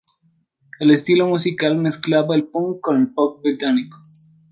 El estilo musical mezclaba el punk con el pop británico.